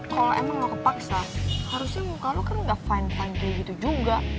kalo emang lo kepaksa harusnya muka lo kan gak fine fine gitu juga